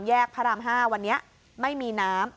พระราม๕วันนี้ไม่มีน้ำ